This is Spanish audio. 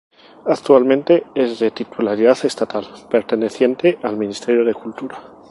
Actualmente es de titularidad estatal, perteneciente al Ministerio de Cultura.